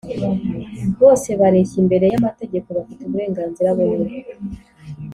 Bose bareshya imbere y amategeko bafite uburenganzira bumwe